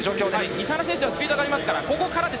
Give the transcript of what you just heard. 石原選手はスピードがあります。